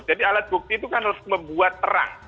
jadi alat bukti itu kan harus membuat terang